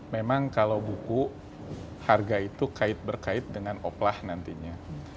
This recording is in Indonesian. memang kalau buku harga itu kait berkait dengan oplah nantinya